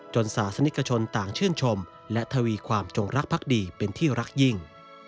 ศาสนิกชนต่างชื่นชมและทวีความจงรักภักดีเป็นที่รักยิ่ง